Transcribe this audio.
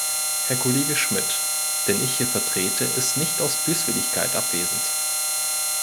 Herr Kollege Schmid, den ich hier vertrete, ist nicht aus Böswilligkeit abwesend.